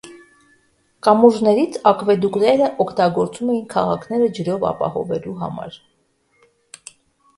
Կամուրջներից՝ ակվեդուկերը օգտագործում էին քաղաքները ջրով ապահովելու համար։